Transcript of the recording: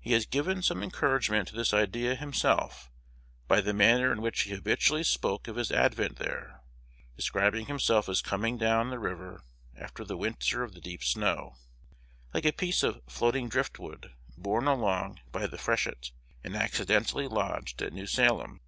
He has given some encouragement to this idea himself by the manner in which he habitually spoke of his advent there, describing himself as coming down the river after the winter of the deep snow, like a piece of "floating driftwood" borne along by the freshet, and accidentally lodged at New Salem.